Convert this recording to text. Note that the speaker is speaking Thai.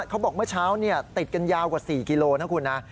เขาบอกเมื่อเช้าเนี่ยติดกันยาวกว่า๔กิโลนะครับคุณ